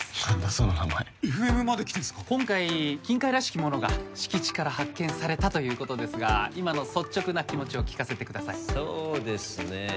その名前ＦＭまで来てんすか今回金塊らしきものが敷地から発見されたということですが今の率直な気持ちを聞かせてくださいそうですね